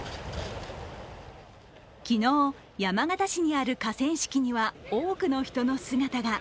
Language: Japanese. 昨日、山形市にある河川敷には多くの人の姿が。